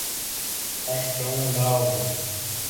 اش چوووں لاؤ ہُوں